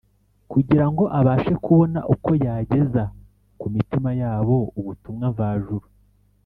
kugira ngo abashe kubona uko yageza ku mitima yabo ubutumwa mvajuru